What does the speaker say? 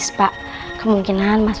rumah kamu kebakaran